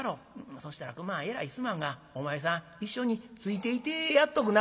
そしたら熊えらいすまんがお前さん一緒についていてやっとくなされ」。